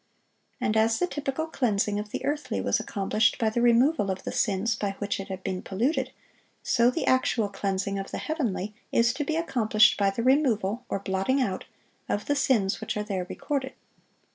And as the typical cleansing of the earthly was accomplished by the removal of the sins by which it had been polluted, so the actual cleansing of the heavenly is to be accomplished by the removal, or blotting out, of the sins which are there recorded.